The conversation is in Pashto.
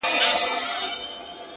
نظم د سترو موخو ملا ده,